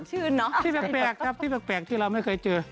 ให้เป็นผลไม้